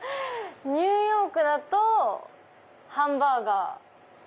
ニューヨークだとハンバーガー。